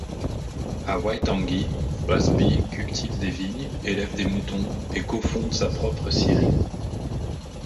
À Waitangi, Busby cultive des vignes, élève des moutons et co-fonde sa propre scierie.